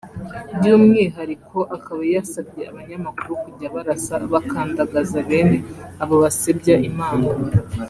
by’umwihariko akaba yasabye abanyamakuru kujya barasa bakandagaza bene abo basebya Imana